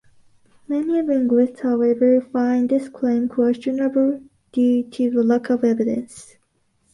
Many linguists, however, find this claim questionable due to lack of evidence.